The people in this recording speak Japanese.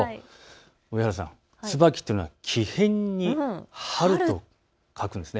上原さん、つばきというのは木へんに春と書くんです。